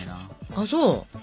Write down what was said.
あっそう。